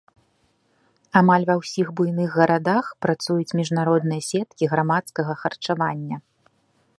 Амаль ва ўсіх буйных гарадах працуюць міжнародныя сеткі грамадскага харчавання.